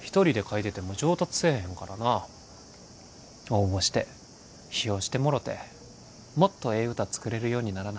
応募して批評してもろてもっとええ歌作れるようにならな。